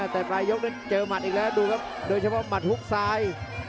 แต่ปลายยกนั้นเจอหมัดอีกแล้วดูครับโดยเฉพาะหมัดฮุกซ้าย